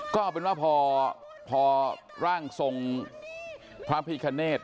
ก็เอาเป็นว่าพอร่างทรงพระพิคเนธ